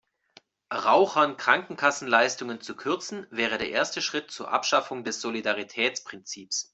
Rauchern Krankenkassenleistungen zu kürzen, wäre der erste Schritt zur Abschaffung des Solidaritätsprinzips.